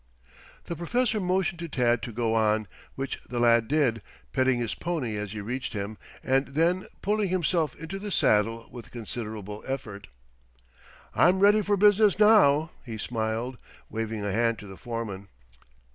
The Professor motioned to Tad to go on, which the lad did, petting his pony as he reached him, and then pulling himself into the saddle with considerable effort. "I'm ready for business now," he smiled, waving a hand to the foreman.